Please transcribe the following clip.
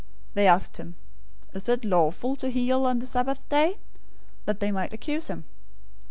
They asked him, "Is it lawful to heal on the Sabbath day?" that they might accuse him.